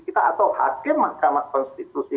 kita atau hakim mahkamah konstitusi